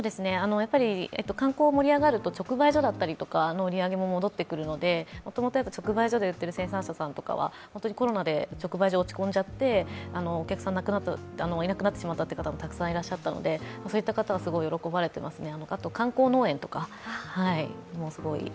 観光が盛り上がると、直売所だったりとかの売り上げも戻ってくるのでもともと直売所で売っている生産者さんは、コロナで売り上げが落ち込んじゃって、お客さんがいなくなってしまったという方もたくさんいらっしゃったのでそういった方はすごい喜ばれていますね。